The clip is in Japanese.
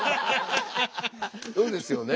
そうですよね。